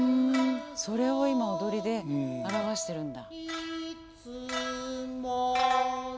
それを今踊りで表してるんだ。